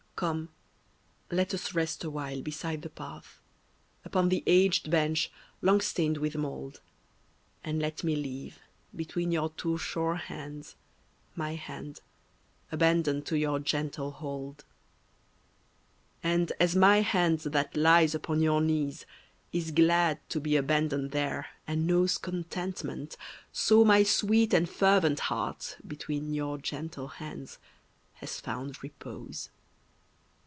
VI Come, let us rest a while beside the path, Upon the aged bench long stained with mould, And let me leave, between your two sure hands, My hand, abandoned to your gentle hold. And as my hand that lies upon your knees Is glad to be abandoned there and knows Contentment, so my sweet and fervent heart Between your gentle hands has found repose.